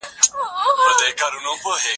که سرته مي داستادمیني یاد راغلی دی